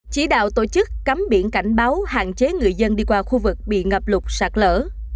chỉ đạo tổ chức cắm biển cảnh báo hạn chế người dân đi qua khu vực bị ngập lụt sạt lở